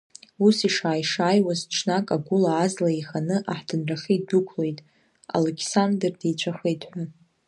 Ус ишааи-шааиуаз, ҽнак агәыла азла еиханы аҳҭынрахьы идәықәлеит, Алықьсандр деицәахеит ҳәа.